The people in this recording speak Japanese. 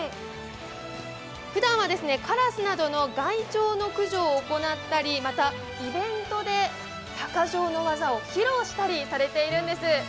ふだんはカラスなどの害鳥の駆除を行ったり、また、イベントで鷹匠の技を披露されたりしているんです。